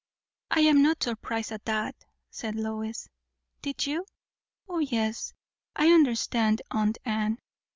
"I am not surprised at that," said Lois. "Did you?" "O yes. I understand aunt Anne."